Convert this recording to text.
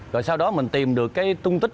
rồi sau đó mình tìm được cái tung tích